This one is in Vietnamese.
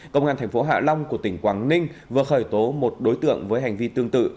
công an thành phố hạ long của tỉnh quảng ninh vừa khởi tố một đối tượng với hành vi tương tự